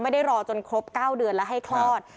รอจนครบ๙เดือนแล้วให้คลอด